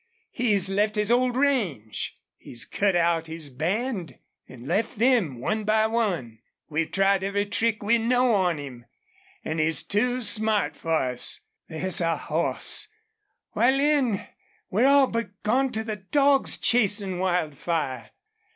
He's left his old range. He's cut out his band, an' left them, one by one. We've tried every trick we know on him. An' he's too smart for us. There's a hoss! Why, Lin, we're all but gone to the dogs chasin' Wildfire.